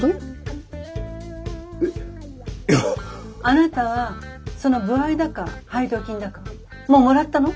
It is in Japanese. あなたはその歩合だか配当金だかもうもらったの？